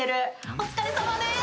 お疲れさまです。